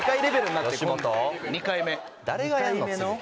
誰がやんの？